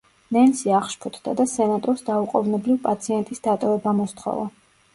ნენსი აღშფოთდა და სენატორს დაუყოვნებლივ პაციენტის დატოვება მოსთხოვა.